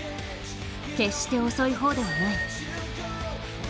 決して遅い方ではない。